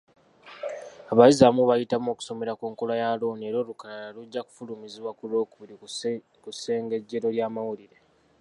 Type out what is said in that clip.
Abayizi abamu baayitamu okusomera ku nkola ya looni era olukalala lujja kufulumizibwa ku lwokubiri ku ssengejjero ly'amawulire.